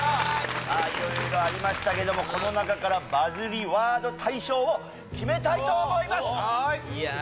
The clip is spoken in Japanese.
いろいろありましたけどもこの中からバズりワード大賞を決めたいと思います！